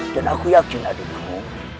dan aku yakin adikku